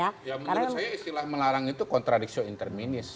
ya menurut saya istilah melarang itu kontradiksi interminis